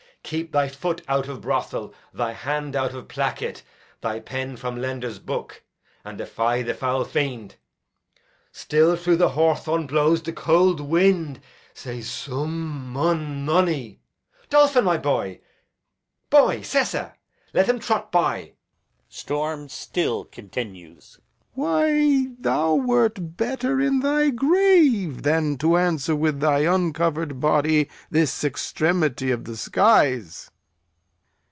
Keep thy foot out of brothel, thy hand out of placket, thy pen from lender's book, and defy the foul fiend. Still through the hawthorn blows the cold wind; says suum, mun, hey, no, nonny. Dolphin my boy, my boy, sessa! let him trot by. Storm still. Lear. Why, thou wert better in thy grave than to answer with thy uncover'd body this extremity of the skies.